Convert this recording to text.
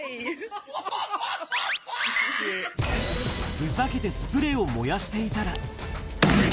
ふざけてスプレーを燃やしていたら。